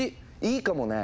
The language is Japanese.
いいかもね。